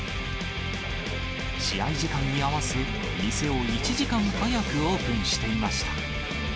試合時間に合わせ、店を１時間早くオープンしていました。